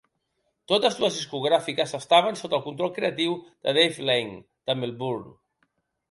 Totes dues discogràfiques estaven sota el control creatiu de Dave Laing, de Melbourne.